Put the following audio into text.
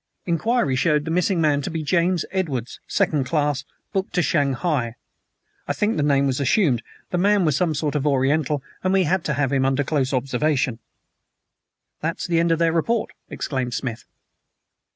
"'Inquiry showed the missing man to be a James Edwards, second class, booked to Shanghai. I think the name was assumed. The man was some sort of Oriental, and we had had him under close observation. ...'" "That's the end of their report," exclaimed Smith.